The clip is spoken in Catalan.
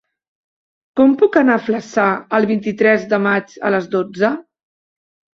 Com puc anar a Flaçà el vint-i-tres de maig a les dotze?